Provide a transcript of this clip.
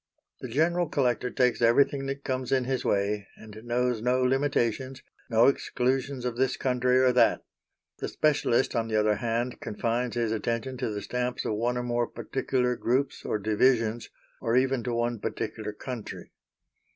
The general collector takes everything that comes in his way, and knows no limitations, no exclusions of this country or that. The specialist, on the other hand, confines his attention to the stamps of one or more particular groups or divisions, or even to one particular country.